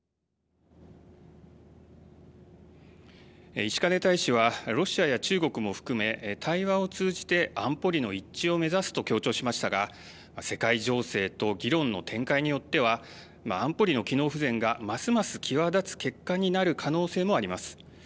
石兼大使はロシアや中国も含め対話を通じて安保理の一致を目指すと強調しましたが世界情勢と議論の展開によっては安保理の機能不全がますます際立つ結果になる可能性もあります。